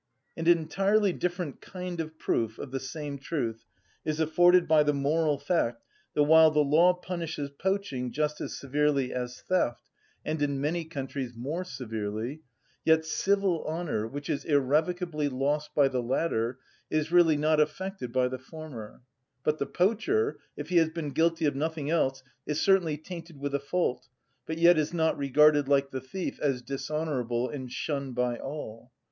An entirely different kind of proof of the same truth is afforded by the moral fact that while the law punishes poaching just as severely as theft, and in many countries more severely, yet civil honour, which is irrevocably lost by the latter, is really not affected by the former; but the poacher, if he has been guilty of nothing else, is certainly tainted with a fault, but yet is not regarded, like the thief, as dishonourable and shunned by all.